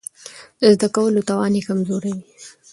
د زده کولو توان يې کمزوری وي.